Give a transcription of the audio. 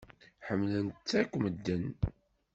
Ḥemmlen-tt akk medden.